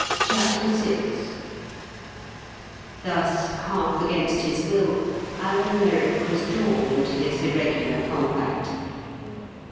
CHAPTER VI Thus, half against his will, Alan Merrick was drawn into this irregular compact.